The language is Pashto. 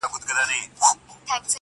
د مور ملوکي سرې دي نوکي،